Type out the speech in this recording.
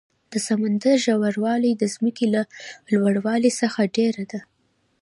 د سمندر ژور والی د ځمکې له لوړ والي څخه ډېر ده.